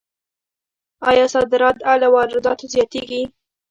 آیا صادرات له وارداتو زیاتیږي؟